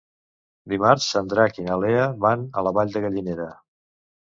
Dimarts en Drac i na Lea van a la Vall de Gallinera.